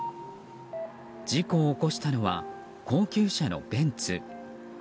事故を起こしたのは高級車のベンツ。